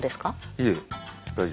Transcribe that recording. いえ大丈夫。